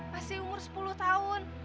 masih umur sepuluh tahun